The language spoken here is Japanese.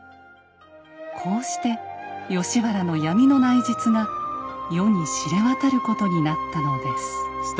こうして吉原の闇の内実が世に知れ渡ることになったのです。